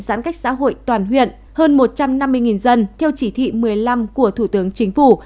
giãn cách xã hội toàn huyện hơn một trăm năm mươi dân theo chỉ thị một mươi năm của thủ tướng chính phủ